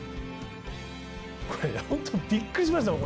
これ本当びっくりしましたもん。